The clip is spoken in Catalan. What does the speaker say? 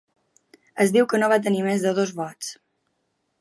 Es diu que no va tenir més de dos vots.